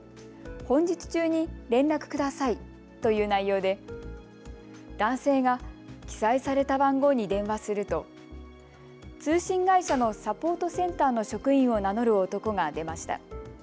本日中に連絡ください内容で、男性が、記載された番号に電話すると通信会社のサポートセンターの職員を名乗る男が出ました。